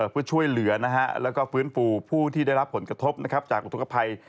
เพื่อช่วยเหลือแล้วก็ฟื้นฟูผู้ที่ได้รับผลกระทบจากอุทธกภัย